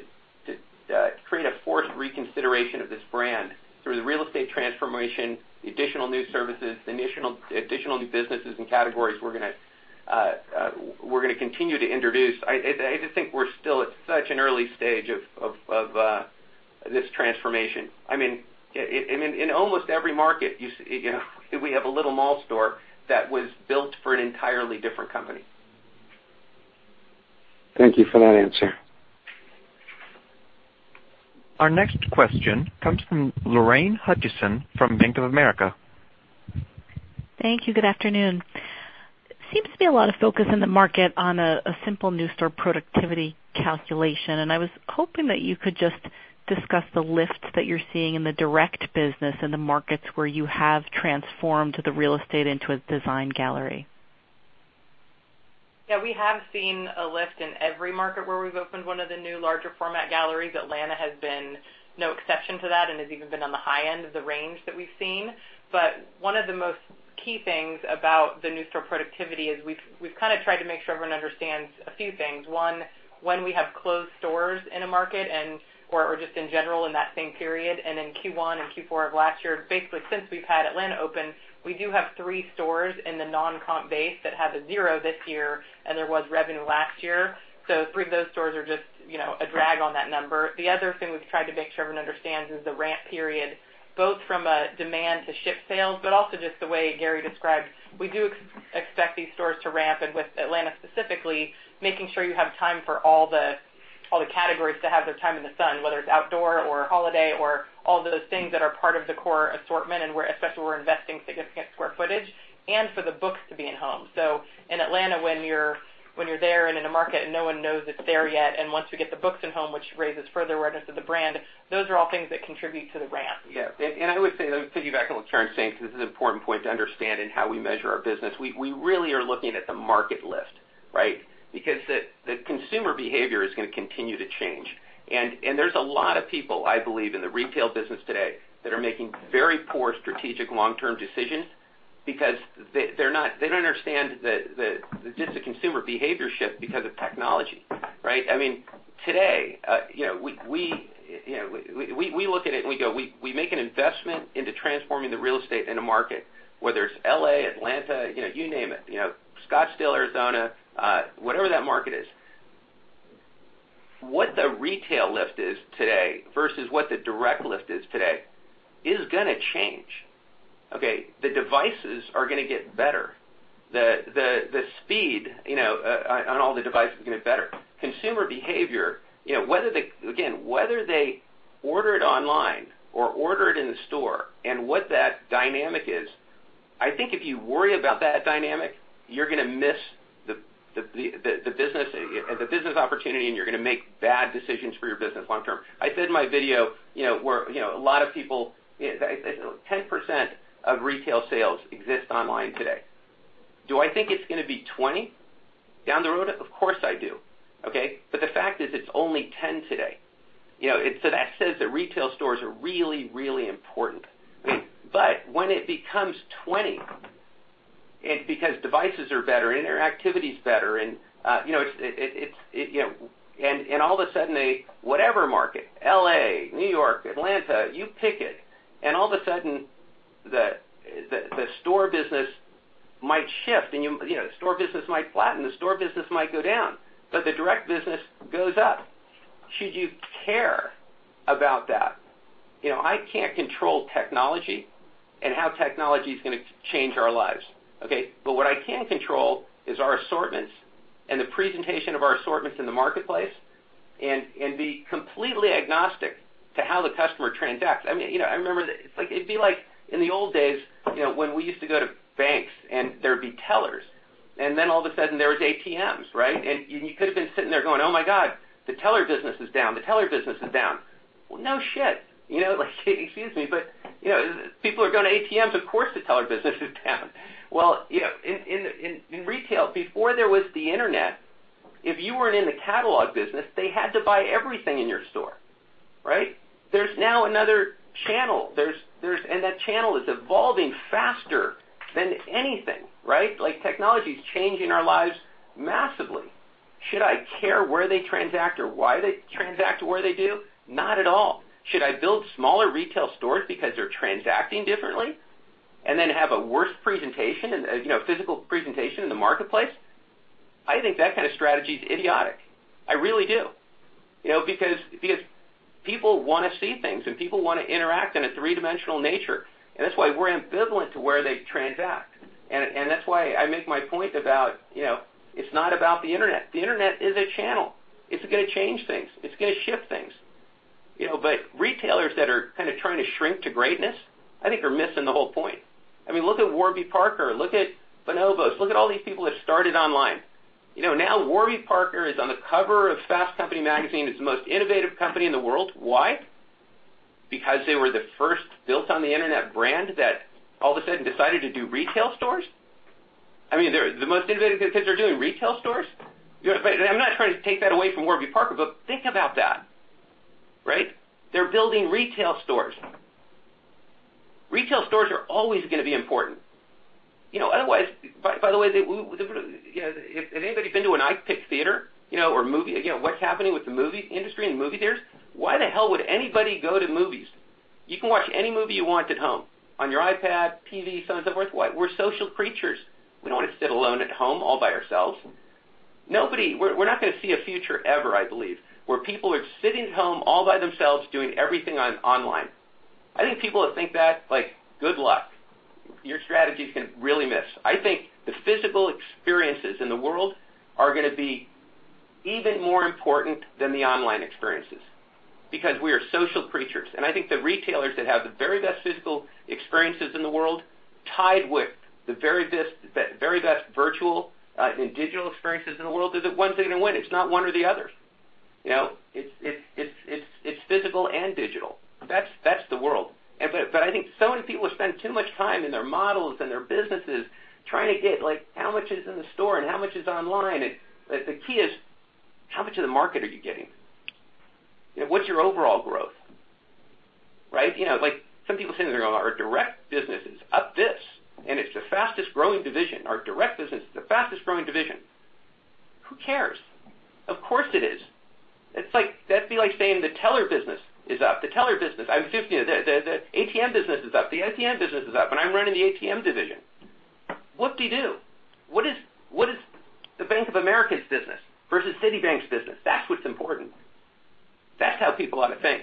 Speaker 4: create a forced reconsideration of this brand through the real estate transformation, the additional new services, the additional new businesses and categories we're going to continue to introduce. I just think we're still at such an early stage of this transformation. In almost every market, we have a little mall store that was built for an entirely different company.
Speaker 12: Thank you for that answer.
Speaker 1: Our next question comes from Lorraine Hutchinson from Bank of America.
Speaker 13: Thank you. Good afternoon. Seems to be a lot of focus in the market on a simple new store productivity calculation. I was hoping that you could just discuss the lift that you're seeing in the direct business in the markets where you have transformed the real estate into a Design Gallery.
Speaker 4: Yeah, we have seen a lift in every market where we've opened one of the new larger format galleries. Atlanta has been no exception to that and has even been on the high end of the range that we've seen. One of the most key things about the new store productivity is we've kind of tried to make sure everyone understands a few things. One, when we have closed stores in a market or just in general in that same period and in Q1 and Q4 of last year, basically since we've had Atlanta open, we do have three stores in the non-comp base that has a zero this year and there was revenue last year. Three of those stores are just a drag on that number. The other thing we've tried to make sure everyone understands is the ramp period, both from a demand to ship sales, but also just the way Gary described. We do expect these stores to ramp and with Atlanta specifically, making sure you have time for all the
Speaker 5: All the categories to have their time in the sun, whether it's outdoor or holiday or all those things that are part of the core assortment, and where especially we're investing significant square footage, and for the books to be in-home. In Atlanta, when you're there and in a market, and no one knows it's there yet, and once we get the books in-home, which raises further awareness of the brand, those are all things that contribute to the ramp.
Speaker 4: Yes. I would say, let me piggyback on what Karen's saying, because this is an important point to understand in how we measure our business. We really are looking at the market lift, right? Because the consumer behavior is going to continue to change. There's a lot of people, I believe, in the retail business today that are making very poor strategic long-term decisions because they don't understand the consumer behavior shift because of technology, right? Today, we look at it and we go, we make an investment into transforming the real estate in a market, whether it's L.A., Atlanta, you name it, Scottsdale, Arizona, whatever that market is. What the retail lift is today versus what the direct lift is today is going to change. Okay? The devices are going to get better. The speed on all the devices is going to get better. Consumer behavior, again, whether they order it online or order it in the store, and what that dynamic is, I think if you worry about that dynamic, you're going to miss the business opportunity, and you're going to make bad decisions for your business long term. I said in my video, where a lot of people-- 10% of retail sales exist online today. Do I think it's going to be 20 down the road? Of course, I do. Okay? The fact is, it's only 10 today. That says that retail stores are really, really important. When it becomes 20, because devices are better, interactivity is better, and all of a sudden, a whatever market, L.A., New York, Atlanta, you pick it, and all of a sudden, the store business might shift, and the store business might flatten, the store business might go down. The direct business goes up. Should you care about that? I can't control technology and how technology is going to change our lives. Okay. What I can control is our assortments and the presentation of our assortments in the marketplace and be completely agnostic to how the customer transacts. It'd be like in the old days when we used to go to banks and there were ATMs, right? You could have been sitting there going, "Oh, my God, the teller business is down. The teller business is down." No way. Excuse me, people are going to ATMs, of course, the teller business is down. In retail, before there was the internet, if you weren't in the catalog business, they had to buy everything in your store, right. There's now another channel, that channel is evolving faster than anything, right? Technology's changing our lives massively. Should I care where they transact or why they transact where they do? Not at all. Should I build smaller retail stores because they're transacting differently and then have a worse physical presentation in the marketplace? I think that kind of strategy is idiotic. I really do because people want to see things and people want to interact in a three-dimensional nature. That's why we're ambivalent to where they transact. That's why I make my point about it's not about the internet. The internet is a channel. It's going to change things. It's going to shift things. Retailers that are kind of trying to shrink to greatness, I think are missing the whole point. Look at Warby Parker, look at Bonobos. Look at all these people that started online. Warby Parker is on the cover of Fast Company magazine as the most innovative company in the world. Why? Because they were the first built on the internet brand that all of a sudden decided to do retail stores. The most innovative because they're doing retail stores. I'm not trying to take that away from Warby Parker, but think about that, right? They're building retail stores. Retail stores are always going to be important. By the way, has anybody been to an iPic Theaters or what's happening with the movie industry and movie theaters? Why the hell would anybody go to movies. You can watch any movie you want at home on your iPad, TV, so on and so forth. Why. We're social creatures. We don't want to sit alone at home all by ourselves. We're not going to see a future ever, I believe, where people are sitting at home all by themselves doing everything online. I think people that think that, good luck. Your strategy's going to really miss. I think the physical experiences in the world are going to be even more important than the online experiences because we are social creatures. I think the retailers that have the very best physical experiences in the world tied with the very best virtual and digital experiences in the world are the ones that are going to win. It's not one or the other. It's physical and digital. That's the world. I think so many people spend too much time in their models and their businesses trying to get how much is in the store and how much is online. The key is how much of the market are you getting. What's your overall growth, right? Some people sitting there going, "Our direct business is up this, and it's the fastest-growing division. Our direct business is the fastest-growing division." Who cares? Of course, it is. That'd be like saying the teller business is up. The ATM business is up, and I'm running the ATM division. Whoop-de-do. What is the Bank of America's business versus Citibank's business? That's what's important. That's how people ought to think.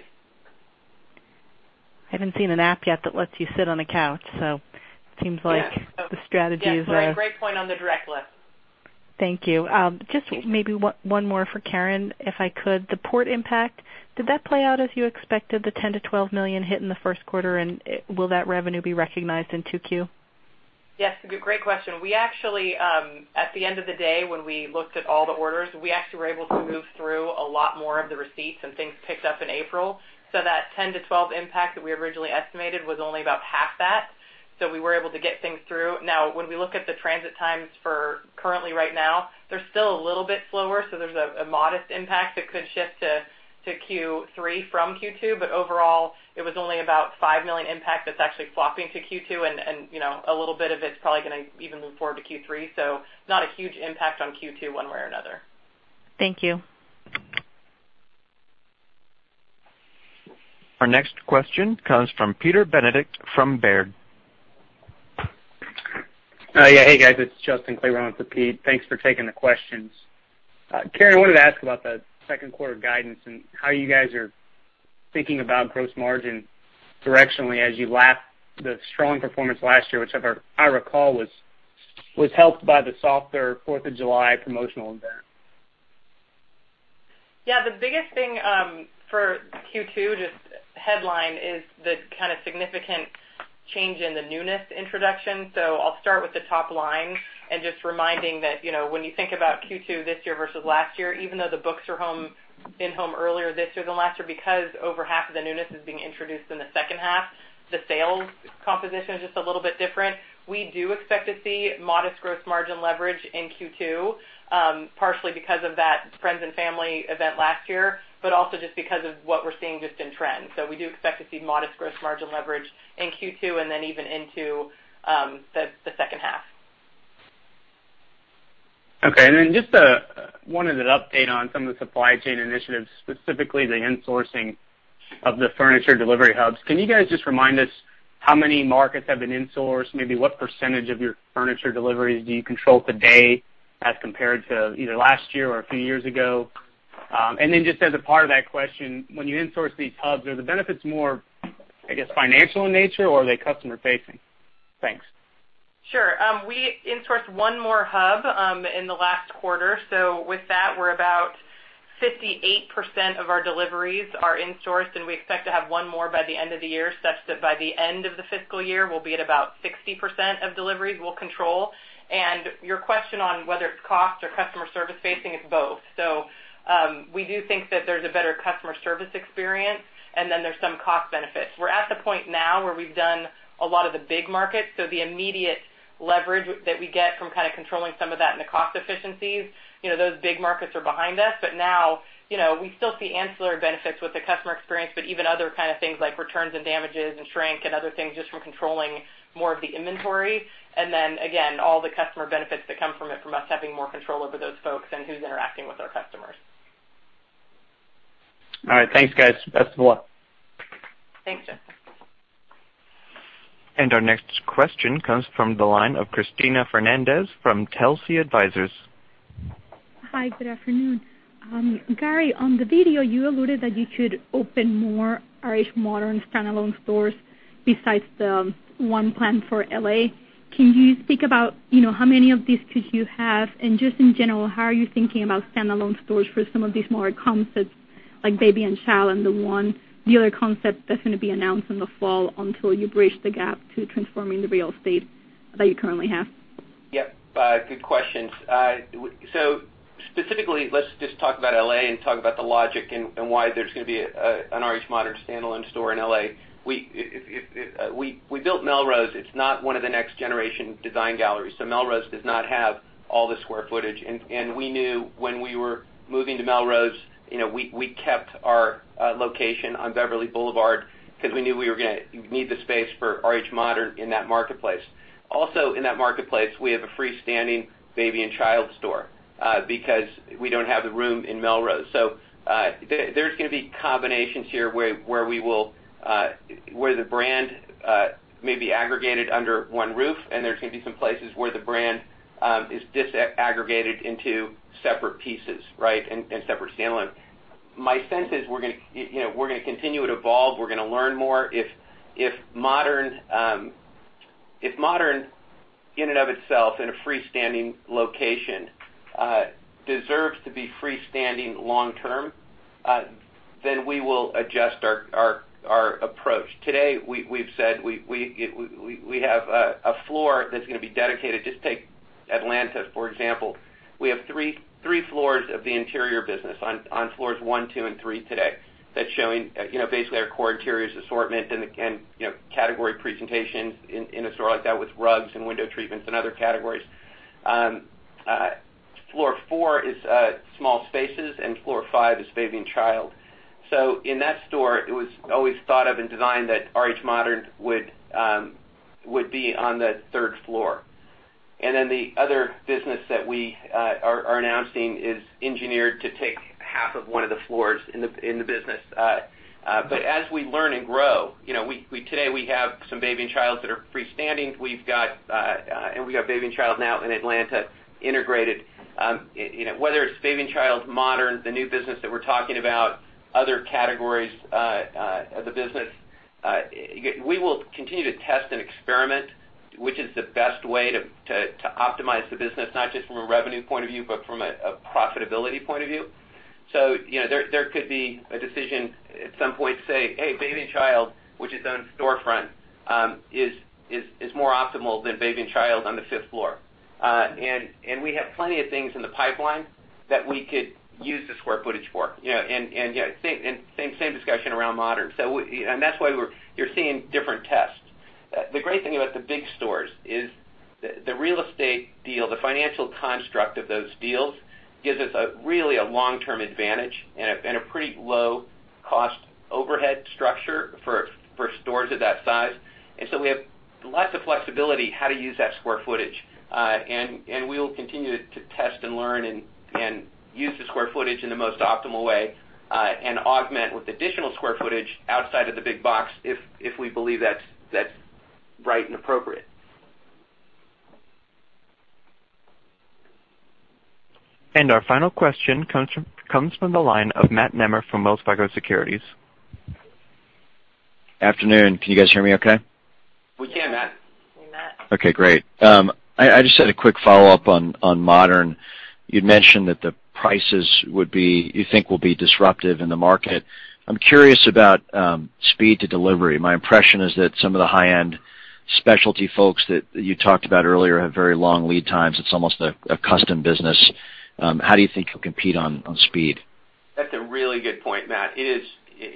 Speaker 13: I haven't seen an app yet that lets you sit on a couch, so it seems like.
Speaker 5: Yes The strategy is a. Yes, great point on the direct lift.
Speaker 13: Thank you. Just maybe one more for Karen, if I could. The port impact, did that play out as you expected, the $10 million-$12 million hit in the first quarter? Will that revenue be recognized in 2Q?
Speaker 5: Yes, great question. At the end of the day, when we looked at all the orders, we actually were able to move through a lot more of the receipts, and things picked up in April. That $10 million-$12 million impact that we originally estimated was only about half that. We were able to get things through. When we look at the transit times for currently right now, they're still a little bit slower, so there's a modest impact that could shift to Q3 from Q2. Overall, it was only about $5 million impact that's actually flopping to Q2, and a little bit of it's probably going to even move forward to Q3. Not a huge impact on Q2 one way or another.
Speaker 13: Thank you.
Speaker 1: Our next question comes from Peter Benedict from Baird.
Speaker 14: Yeah. Hey, guys, it's Justin Kleber running for Pete. Thanks for taking the questions. Karen, wanted to ask about that second quarter guidance and how you guys are thinking about gross margin directionally as you lap the strong performance last year, which, if I recall, was helped by the softer Fourth of July promotional event.
Speaker 5: Yeah, the biggest thing for Q2, just headline, is the significant change in the newness introduction. I'll start with the top line and just reminding that when you think about Q2 this year versus last year, even though the books are in home earlier this year than last year, because over half of the newness is being introduced in the second half, the sales composition is just a little bit different. We do expect to see modest gross margin leverage in Q2, partially because of that friends and family event last year, but also just because of what we're seeing just in trends. We do expect to see modest gross margin leverage in Q2 and then even into the second half.
Speaker 14: Okay. Just wanted an update on some of the supply chain initiatives, specifically the insourcing of the furniture delivery hubs. Can you guys just remind us how many markets have been insourced, maybe what percentage of your furniture deliveries do you control today as compared to either last year or a few years ago? Just as a part of that question, when you insource these hubs, are the benefits more, I guess, financial in nature, or are they customer facing? Thanks.
Speaker 5: Sure. We insourced one more hub in the last quarter. With that, we're about 58% of our deliveries are insourced, and we expect to have one more by the end of the year, such that by the end of the fiscal year, we'll be at about 60% of deliveries we'll control. Your question on whether it's cost or customer service facing, it's both. We do think that there's a better customer service experience, and then there's some cost benefits. We're at the point now where we've done a lot of the big markets, so the immediate leverage that we get from controlling some of that in the cost efficiencies, those big markets are behind us. Now, we still see ancillary benefits with the customer experience, but even other things like returns and damages and shrink and other things just from controlling more of the inventory. Again, all the customer benefits that come from it, from us having more control over those folks and who's interacting with our customers.
Speaker 14: All right. Thanks, guys. Best of luck.
Speaker 5: Thanks, Justin.
Speaker 1: Our next question comes from the line of Cristina Fernández from Telsey Advisors.
Speaker 15: Hi, good afternoon. Gary, on the video, you alluded that you should open more RH Modern standalone stores besides the one planned for L.A. Can you speak about how many of these could you have? Just in general, how are you thinking about standalone stores for some of these more concepts like RH Baby & Child and the other concept that is going to be announced in the fall until you bridge the gap to transforming the real estate that you currently have?
Speaker 4: Yep. Good questions. Specifically, let's just talk about L.A. and talk about the logic and why there is going to be an RH Modern standalone store in L.A. We built Melrose. It is not one of the next generation Design Galleries. Melrose does not have all the square footage. We knew when we were moving to Melrose, we kept our location on Beverly Boulevard because we knew we were going to need the space for RH Modern in that marketplace. Also in that marketplace, we have a freestanding RH Baby & Child store because we do not have the room in Melrose. There is going to be combinations here where the brand may be aggregated under one roof, and there is going to be some places where the brand is disaggregated into separate pieces, and separate standalone. My sense is we are going to continue to evolve. We are going to learn more. If RH Modern in and of itself in a freestanding location deserves to be freestanding long-term, we will adjust our approach. Today, we have said we have a floor that is going to be dedicated. Just take Atlanta, for example. We have three floors of the interior business on floors one, two, and three today that is showing basically our core interiors assortment and category presentation in a store like that with rugs and window treatments and other categories. Floor four is small spaces, and floor five is RH Baby & Child. In that store, it was always thought of and designed that RH Modern would be on the third floor. The other business that we are announcing is engineered to take half of one of the floors in the business. As we learn and grow, today we have some RH Baby & Childs that are freestanding. We got RH Baby & Child now in Atlanta integrated. Whether it is RH Baby & Child, RH Modern, the new business that we are talking about, other categories of the business We will continue to test and experiment which is the best way to optimize the business, not just from a revenue point of view, but from a profitability point of view. There could be a decision at some point to say, hey, RH Baby & Child, which is its own storefront, is more optimal than RH Baby & Child on the fifth floor. We have plenty of things in the pipeline that we could use the square footage for. Same discussion around RH Modern. That is why you are seeing different tests. The great thing about the big stores is the real estate deal, the financial construct of those deals gives us really a long-term advantage and a pretty low-cost overhead structure for stores of that size. We have lots of flexibility how to use that square footage. We will continue to test and learn and use the square footage in the most optimal way and augment with additional square footage outside of the big box if we believe that's right and appropriate.
Speaker 1: Our final question comes from the line of Matt Nemer from Wells Fargo Securities.
Speaker 16: Afternoon. Can you guys hear me okay?
Speaker 4: We can, Matt.
Speaker 2: Hey, Matt.
Speaker 16: Okay, great. I just had a quick follow-up on Modern. You'd mentioned that the prices, you think, will be disruptive in the market. I'm curious about speed to delivery. My impression is that some of the high-end specialty folks that you talked about earlier have very long lead times. It's almost a custom business. How do you think you'll compete on speed?
Speaker 4: That's a really good point, Matt. It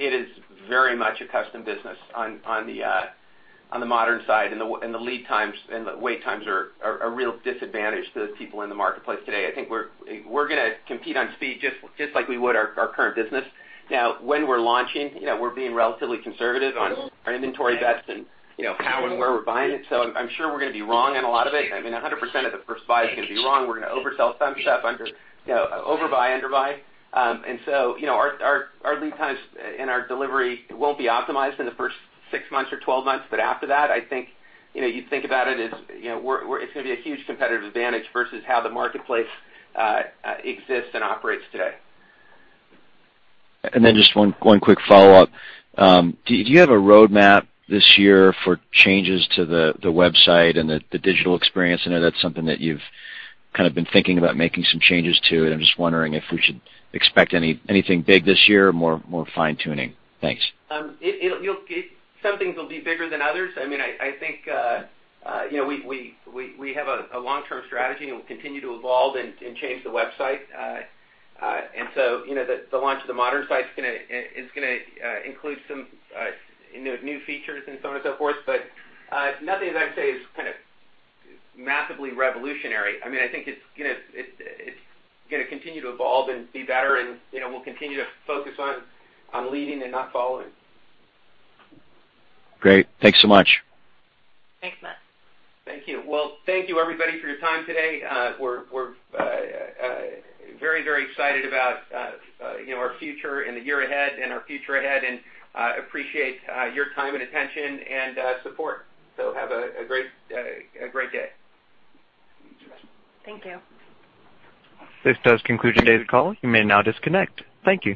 Speaker 4: is very much a custom business on the Modern side, the lead times and the wait times are a real disadvantage to the people in the marketplace today. I think we're going to compete on speed just like we would our current business. Now, when we're launching, we're being relatively conservative on our inventory bets and how and where we're buying it. I'm sure we're going to be wrong on a lot of it. 100% of the first buy is going to be wrong. We're going to oversell some stuff, overbuy, underbuy. Our lead times and our delivery won't be optimized in the first six months or 12 months, but after that, I think you'd think about it as it's going to be a huge competitive advantage versus how the marketplace exists and operates today.
Speaker 16: Just one quick follow-up. Do you have a roadmap this year for changes to the website and the digital experience? I know that's something that you've been thinking about making some changes to, and I'm just wondering if we should expect anything big this year or more fine-tuning. Thanks.
Speaker 4: Some things will be bigger than others. I think we have a long-term strategy, we'll continue to evolve and change the website. The launch of the Modern site is going to include some new features and so on and so forth, but nothing that I'd say is massively revolutionary. I think it's going to continue to evolve and be better, we'll continue to focus on leading and not following.
Speaker 16: Great. Thanks so much.
Speaker 2: Thanks, Matt.
Speaker 4: Thank you. Well, thank you everybody for your time today. We're very excited about our future and the year ahead and our future ahead, appreciate your time and attention and support. Have a great day.
Speaker 2: Thank you.
Speaker 1: This does conclude today's call. You may now disconnect. Thank you.